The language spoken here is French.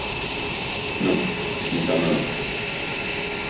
Non, il n’est pas mort !